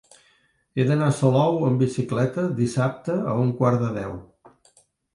He d'anar a Salou amb bicicleta dissabte a un quart de deu.